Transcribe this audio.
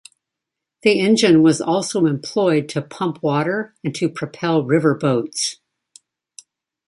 The engine was also employed to pump water and to propel river boats.